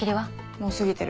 もう過ぎてる。